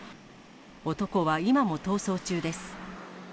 男は今も逃走中です。